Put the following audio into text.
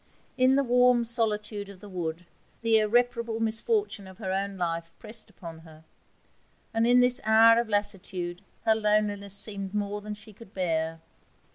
In the warm solitude of the wood the irreparable misfortune of her own life pressed upon her: and in this hour of lassitude her loneliness seemed more than she could bear.